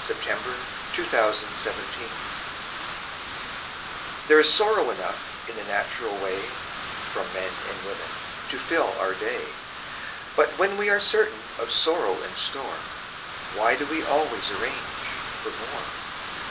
THE POWER OF THE DOG There is sorrow enough in the natural way From men and women to fill our day; But when we are certain of sorrow in store, Why do we always arrange for more?